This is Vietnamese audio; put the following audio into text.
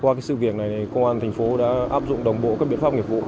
qua sự việc này công an thành phố đã áp dụng đồng bộ các biện pháp nghiệp vụ